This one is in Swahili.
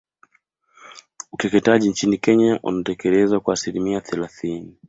Ukeketaji nchini Kenya unatekelezwa kwa asilimia thelathini